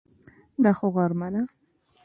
دا خو غرمه ده!